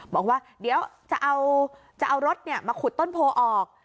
บอกว่าเดี๋ยวจะเอารถมาขุดต้นโพออก